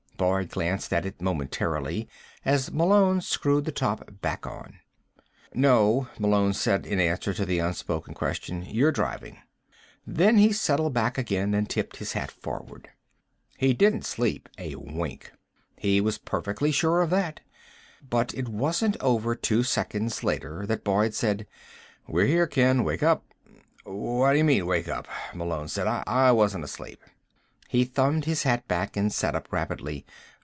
Boyd glanced at it momentarily as Malone screwed the top back on. "No," Malone said in answer to the unspoken question. "You're driving." Then he settled back again and tipped his hat forward. He didn't sleep a wink. He was perfectly sure of that. But it wasn't over two seconds later that Boyd said: "We're here, Ken. Wake up." "Whadyamean, wakeup," Malone said. "I wasn't asleep." He thumbed his hat back and sat up rapidly.